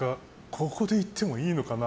ここで言ってもいいのかな。